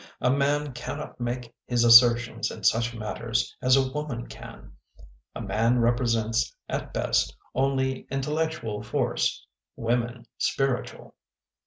A man cannot make his assertions in such matters as a woman can. A man represents at best only intellectual force, women, spiritual."